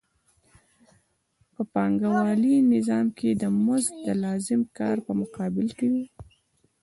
په پانګوالي نظام کې مزد د لازم کار په مقابل کې وي